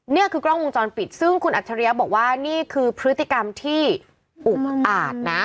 นี่คือกล้องวงจรปิดซึ่งคุณอัจฉริยะบอกว่านี่คือพฤติกรรมที่อุกอาจนะ